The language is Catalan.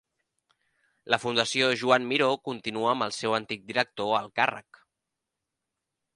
La Fundació Joan Miró continua amb el seu antic director al càrrec